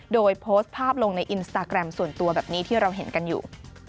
โดยโพสต์ภาพลงในอินสตาแกรมส่วนตัวแบบนี้ที่เราเห็นกันอยู่